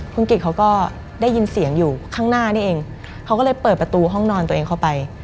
คุณกิจเขาก็ได้ยินเสียงอยู่ข้างหน้านี่เองเขาก็เลยเปิดประตูห้องนอนตัวเองเข้าไป